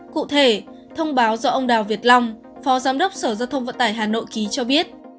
cụ thể thông báo do ông đào việt long phó giám đốc sở giao thông vận tải hà nội ký cho biết